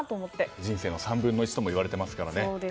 人生の３分の１ともいわれていますからね。